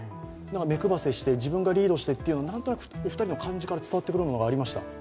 目配せして自分がリードしてっていうのが何となく２人の感じから伝わってくるものがありました。